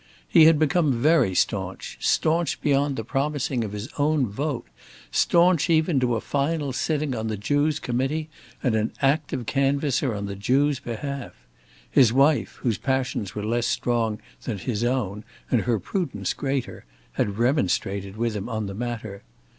He had become very stanch, stanch beyond the promising of his own vote, stanch even to a final sitting on the Jew's committee, and an active canvasser on the Jew's behalf. His wife, whose passions were less strong than his own and her prudence greater, had remonstrated with him on the matter.